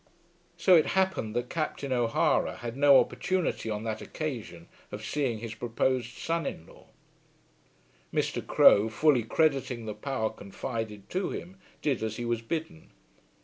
So it happened that Captain O'Hara had no opportunity on that occasion of seeing his proposed son in law. Mr. Crowe, fully crediting the power confided to him, did as he was bidden.